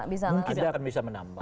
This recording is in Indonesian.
mungkin bisa menambah